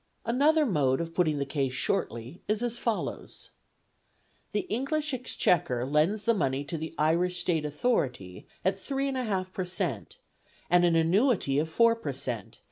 Another mode of putting the case shortly is as follows: The English Exchequer lends the money to the Irish State Authority at 3 1/8 per cent. and an annuity of 4 per cent.